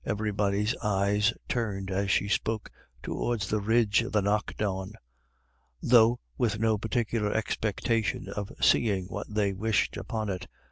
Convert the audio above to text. Everybody's eyes turned, as she spoke, toward the ridge of the Knockawn, though with no particular expectation of seeing what they wished upon it.